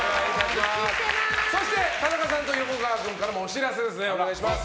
そして田中さんと横川君からもお知らせがあります。